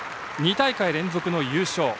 ２大会連続の優勝。